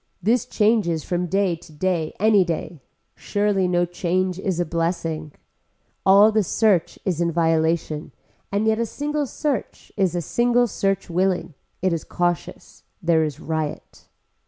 This changes from day to day any day. Surely no change is a blessing. All the search is in violation and yet a single search is a single search willing. It is cautious. There is riot.